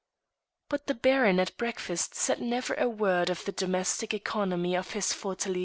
But the Baron at breakfast said never a word of the domestic economy of his fortalice.